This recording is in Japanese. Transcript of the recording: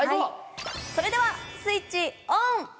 それではスイッチオン！